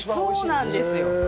そうなんですよ。